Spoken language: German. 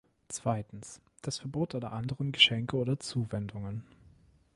Zweitens, das Verbot aller anderen Geschenke oder Zuwendungen.